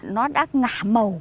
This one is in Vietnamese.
nó đã ngả màu